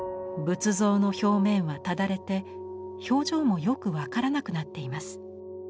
仏像の表面はただれて表情もよく分からなくなっています。